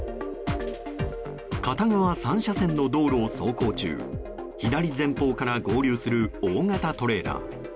片側３車線の道路を走行中左前方から合流する大型トレーラー。